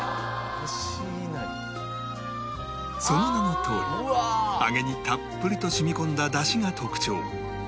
その名のとおり揚げにたっぷりと染み込んだだしが特徴